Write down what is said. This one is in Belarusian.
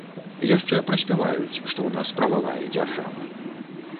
Яшчэ праспяваюць, што ў нас прававая дзяржава.